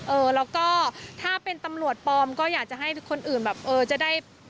เออแล้วก็ถ้าเป็นตำรวจปลอมก็อยากจะให้คนอื่นแบบเออจะได้